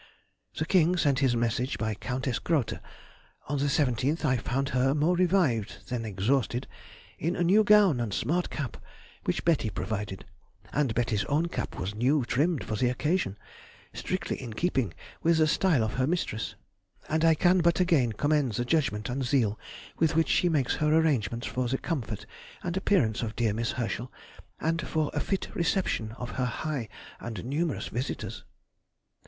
The King sent his message by Countess Grote. On the 17th I found her, more revived than exhausted, in a new gown and smart cap, which Betty provided; and Betty's own cap was new trimmed for the occasion, strictly in keeping with the style of her mistress, and I can but again commend the judgment and zeal with which she makes her arrangements for the comfort and appearance of dear Miss Herschel, and for a fit reception of her high and numerous visitors.